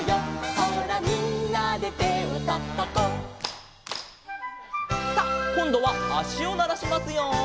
「ほらみんなで手をたたこう」「」さあこんどはあしをならしますよ。